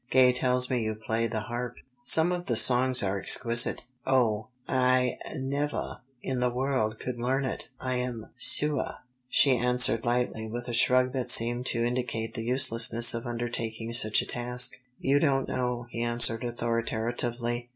Gay tells me you play the harp. Some of the songs are exquisite." "Oh, I nevah in the world could learn it, I am suah!" she answered lightly, with a shrug that seemed to indicate the uselessness of undertaking such a task. "You don't know," he answered authoritatively.